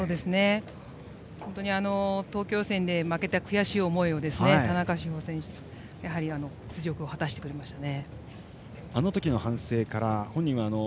本当に東京予選で負けた悔しい思いを田中志歩選手は雪辱を果たしてくれましたね。